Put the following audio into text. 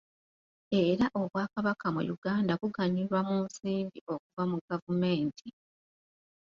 Era obwakabaka mu Uganda buganyulwa mu nsimbi okuva mu gavumenti.